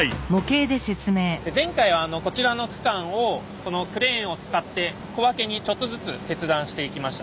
前回はこちらの区間をこのクレーンを使って小分けにちょっとずつ切断していきました。